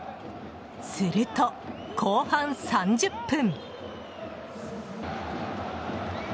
すると後半３０分。